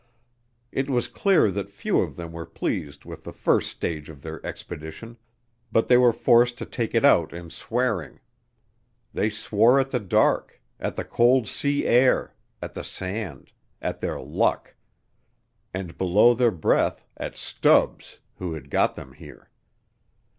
It was clear that few of them were pleased with the first stage of their expedition, but they were forced to take it out in swearing. They swore at the dark, at the cold sea air, at the sand, at their luck, and, below their breath, at Stubbs, who had got them here.